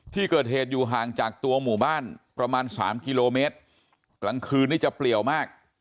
ที่เกิดเหตุอยู่ห่างจากตัวหมู่บ้านประมาณสามกิโลเมตรกลางคืนนี่จะเปลี่ยวมาก